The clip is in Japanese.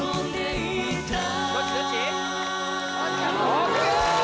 ＯＫ